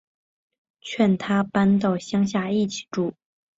劝他搬到乡下一起住